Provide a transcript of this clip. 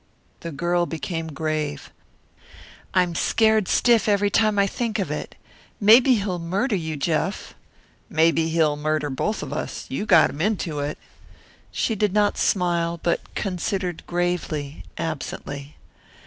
The girl became grave. "I'm scared stiff every time I think of it. Maybe he'll murder you, Jeff." "Maybe he'll murder both of us. You got him into it." She did not smile, but considered gravely, absently.